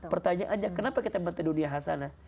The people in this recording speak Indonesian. pertanyaannya kenapa kita minta dunia hasanah